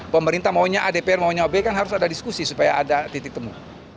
pemerintah maunya a dpr maunya b kan harus ada diskusi supaya ada titik temu